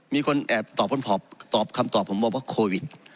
มีคนแอบตอบคำตอบผมว่าโควิด๑๙